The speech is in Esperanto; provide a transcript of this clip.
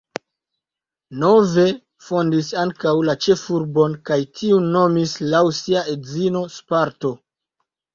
Nove fondis ankaŭ la ĉefurbon kaj tiun nomis laŭ sia edzino Sparto.